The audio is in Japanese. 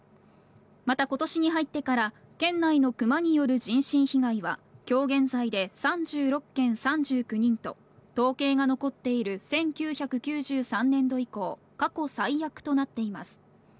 またことしに入ってから、県内のクマによる人身被害はきょう現在で３６件３９人と、統計が残っている１９９３年度以降、過去最悪となっています。